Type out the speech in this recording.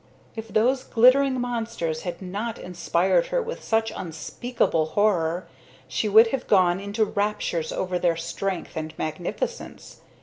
If those glittering monsters had not inspired her with such unspeakable horror, she would have gone into raptures over their strength and magnificence.